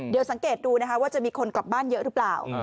เดี๋ยวสังเกตดูนะคะว่าจะมีคนกลับบ้านเยอะหรือเปล่า